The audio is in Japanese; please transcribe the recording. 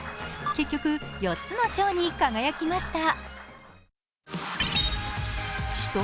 結局、４つの賞に輝きました。